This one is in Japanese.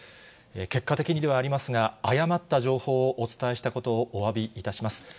結果的にではありますが、誤った情報をお伝えしたことをおわびいたします。